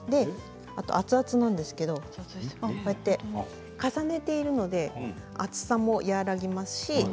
熱々なんですけど、こうやって重ねているので熱さも和らぎますし。